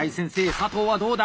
佐藤はどうだ？